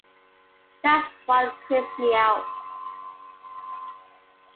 That's what creeps me out.